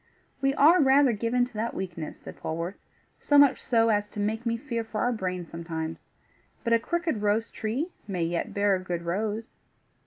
"We are rather given to that weakness," said Polwarth, "so much so as to make me fear for our brains sometimes. But a crooked rose tree may yet bear a good rose."